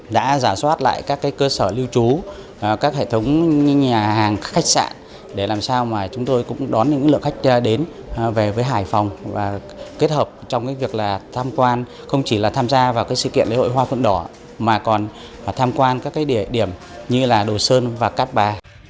đã giả soát lại các cơ sở lưu trú các hệ thống nhà hàng khách sạn để làm sao mà chúng tôi cũng đón những lượng khách đến về với hải phòng và kết hợp trong việc tham quan không chỉ là tham gia vào sự kiện lễ hội hoa phượng đỏ mà còn tham quan các địa điểm như là đồ sơn và cát bà